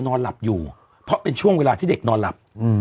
นอนหลับอยู่เพราะเป็นช่วงเวลาที่เด็กนอนหลับ